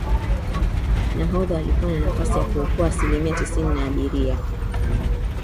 nahodha alikuwa na nafasi ya kuokoa asilimia tisini ya abiria